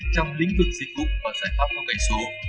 trong lĩnh vực dịch vụ và giải pháp phong cây số